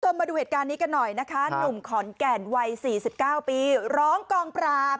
มาดูเหตุการณ์นี้กันหน่อยนะคะหนุ่มขอนแก่นวัย๔๙ปีร้องกองปราบ